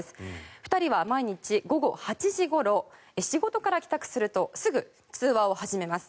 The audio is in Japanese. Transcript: ２人は毎日午後８時ごろ仕事から帰宅するとすぐ通話を始めます。